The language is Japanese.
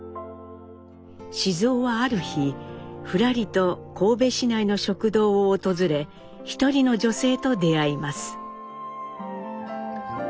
雄はある日ふらりと神戸市内の食堂を訪れ一人の女性と出会います。